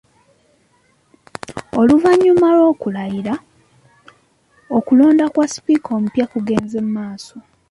Oluvannyuma lw’okulayira, okulonda kwa Sipiika omupya kugenze maaso.